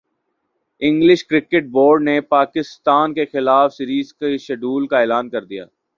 English cricket board نے پاکستان کیخلاف series کے شیڈول کا اعلان کر دیا